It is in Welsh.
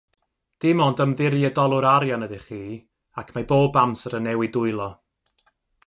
Dim ond ymddiriedolwr arian ydych chi ac mae bob amser yn newid dwylo.